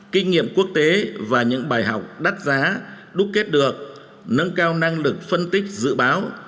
kinh nghiệm quốc tế và những bài học đắt giá đúc kết được nâng cao năng lực phân tích dự báo